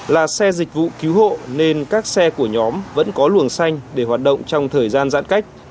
là xe dịch vụ cứu hộ nên các xe của nhóm vẫn có luồng xanh để hoạt động trong thời gian giãn cách